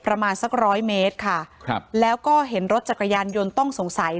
ประมาณสักร้อยเมตรค่ะครับแล้วก็เห็นรถจักรยานยนต์ต้องสงสัย